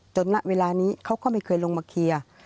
ณเวลานี้เขาก็ไม่เคยลงมาเคลียร์